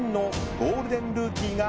［ゴールデンルーキーよ］